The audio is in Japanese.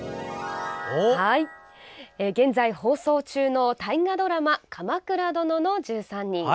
現在放送中の大河ドラマ「鎌倉殿の１３人」。